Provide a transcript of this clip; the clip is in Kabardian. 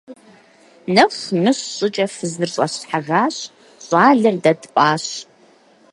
Нэху мыщ щӀыкӀэ фызыр щӀэслъхьэжащ, щӀалэр дэ тпӀащ.